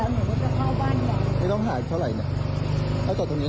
หนูได้มาแล้วประมาณ๒๐๐บาทค่ะพี่